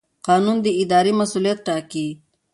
قانون د ادارې مسوولیت ټاکي.